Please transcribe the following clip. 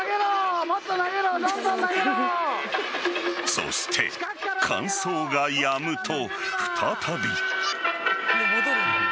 そして、間奏がやむと再び。